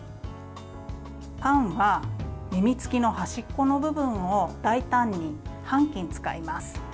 パンは耳つきの端っこの部分を大胆に半斤使います。